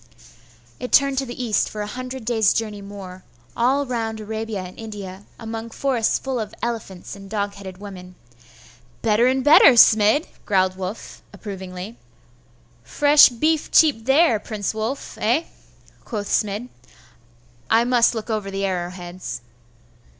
It turned to the east for a hundred days' journey more, all round Arabia and India, among forests full of elephants and dog headed women. 'Better and better, Smid!' growled Wulf, approvingly. 'Fresh beef cheap there, Prince Wulf, eh?' quoth Smid; 'I must look over the arrow heads.